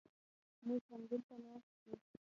موږ همدلته ناست و.